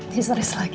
dia sudah selagi kutip